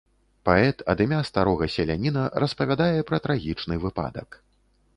Паэт ад імя старога селяніна распавядае пра трагічны выпадак.